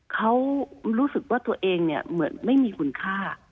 เขารู้สึกว่าตัวเองเนี่ยเหมือนไม่มีคุณค่า